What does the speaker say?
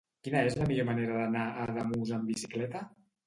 Quina és la millor manera d'anar a Ademús amb bicicleta?